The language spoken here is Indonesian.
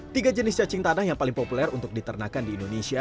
tiga jenis cacing tanah yang paling populer untuk diternakan di indonesia